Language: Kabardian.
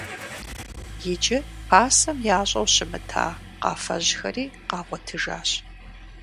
Иджы пасэм ящӀэу щымыта къафэжьхэри къагъуэтыжащ.